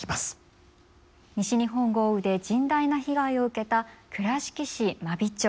西日本豪雨で甚大な被害を受けた倉敷市真備町。